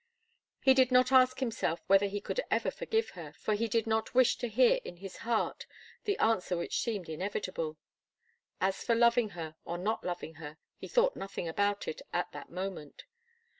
He did not ask himself whether he could ever forgive her, for he did not wish to hear in his heart the answer which seemed inevitable. As for loving her, or not loving her, he thought nothing about it at that moment.